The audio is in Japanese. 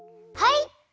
はい！